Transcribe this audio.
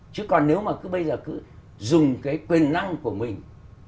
chứ còn nếu mà cứ bây giờ cứ dùng cái quyền năng của mình